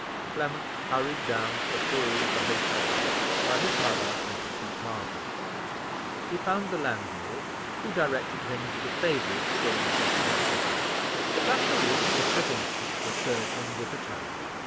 Clement hurried down to the hall of the hotel, while his mother went to seek Margaret. He found the landlord, who directed him to the favourite Shorncliffe medical man. Luckily, Mr. Vincent, the surgeon, was at home.